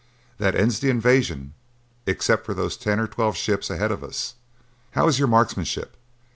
That ends the invasion, except for those ten or twelve ships ahead of us. How is your marksmanship?